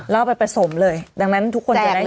แล้วเอาไปผสมเลยดังนั้นทุกคนจะได้